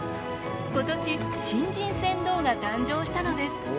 今年、新人船頭が誕生したのです。